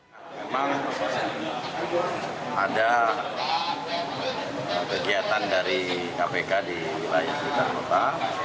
memang ada kegiatan dari kpk di wilayah sekitar kota